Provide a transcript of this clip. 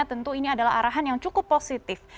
tentu ini adalah arahan yang cukup positif